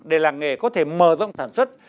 để làng nghề có thể mờ rộng sản xuất